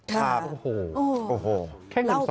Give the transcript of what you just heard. ครับโอ้โฮโอ้โฮแค่เงิน๒๐๐บาทน่ะ